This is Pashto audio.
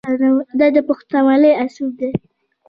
دا د پښتونولۍ اصول دي.